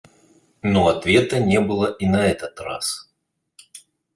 Но ответа не было и на этот раз.